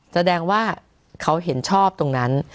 แสดงว่าเขาเห็นชอบตรงนั้น